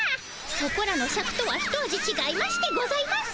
そこらのシャクとはひと味ちがいましてございます。